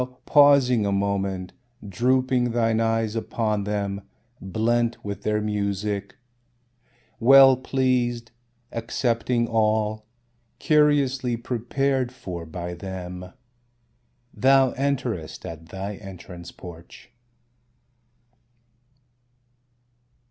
pausing a moment, drooping thine eyes upon them, blent with their music, Well pleased, accepting all, curiously prepared for by them, Thou enterest at thy entrance porch.